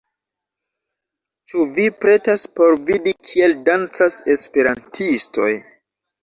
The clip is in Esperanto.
Ĉu vi pretas por vidi kiel dancas esperantistoj